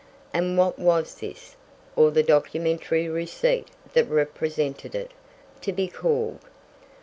And what was this, or the documentary receipt that represented it, to be called?